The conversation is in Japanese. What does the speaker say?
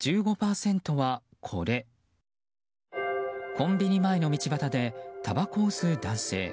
コンビニ前の道端でたばこを吸う男性。